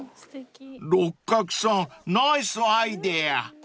［六角さんナイスアイデア］